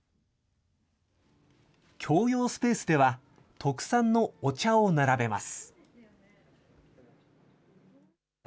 共用スペースでは、特産のお茶を並べます。